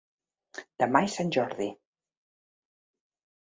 Demà és Sant Jordi.